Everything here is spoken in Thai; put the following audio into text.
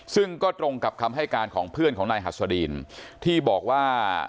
ซึ่งก็ตรงกับคำให้การของเพื่อนของนายหัสดินที่บอกว่า